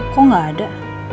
kok gak ada